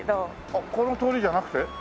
あっこの通りじゃなくて？